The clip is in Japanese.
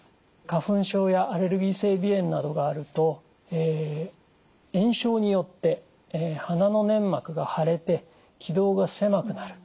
花粉症やアレルギー性鼻炎などがあると炎症によって鼻の粘膜が腫れて気道が狭くなる。